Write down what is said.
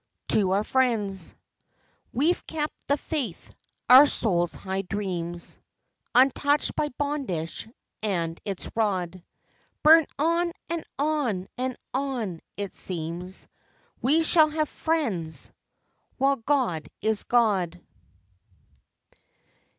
TO OUR FRIENDS We've kept the faith. Our souls' high dreams Untouched by bondage and its rod, Burn on! and on! and on! It seems We shall have FRIENDS while God is God!